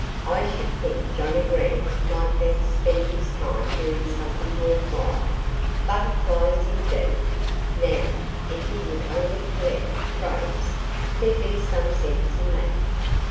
"I should think Johnnie Green might better spend his time doing something worth while. Butterflies, indeed! Now, if he would only collect Crows there'd be some sense in that!"